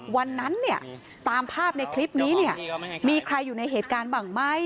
วันนั้นเนี่ยตามภาพในคลิปนี้เนี่ยมีใครอยู่ในเหตุการณ์บ้างไหม